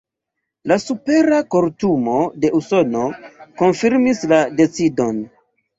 La Supera Kortumo de Usono konfirmis la decidon.